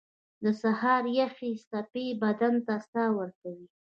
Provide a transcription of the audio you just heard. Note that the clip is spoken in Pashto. • د سهار یخې څپې بدن ته ساه ورکوي.